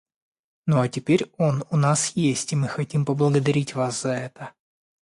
Ну а теперь он у нас есть, и мы хотим поблагодарить вас за это.